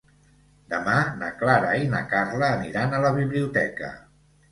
Demà na Clara i na Carla aniran a la biblioteca.